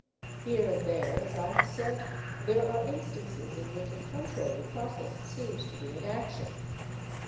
Here and there, as I have said, there are instances in which a contrary process seems to be in action.